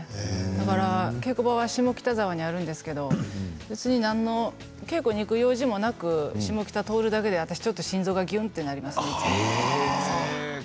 だから、稽古場は下北沢にあるんですけれど別に何の稽古に行く用事もなく下北を通るだけで私は心臓がぎゅんとなります。